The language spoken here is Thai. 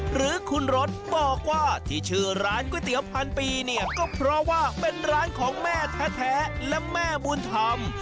หรือคุณรถบอกว่าที่ชื่อร้านก๋วยเตี๋ยวพันปีเนี่ยก็เพราะว่าเป็นร้านของแม่แท้และแม่บุญธรรม